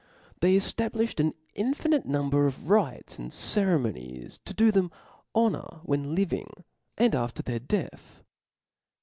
They eftablifhed an infinite number of rites and ceremonies to do them honoj when living, and after their death.